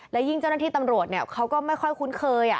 และยิ่งเจ้าหน้าที่ตำรวจเขาก็ไม่ค่อยคุ้นเคย